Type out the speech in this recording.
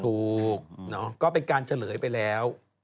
ถูกก็เป็นการเฉลยไปแล้ว